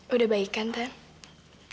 udah baik kan tante